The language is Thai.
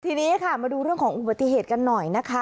ทีนี้ค่ะมาดูเรื่องของอุบัติเหตุกันหน่อยนะคะ